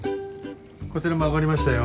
こちらも揚がりましたよ。